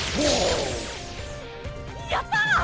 やった！